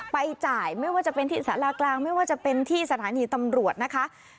ไปจ่ายไม่ว่าจะเป็นที่สารากลางไม่ว่าจะเป็นที่สถานีตำรวจนะคะ